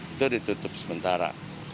itu ditutup sementara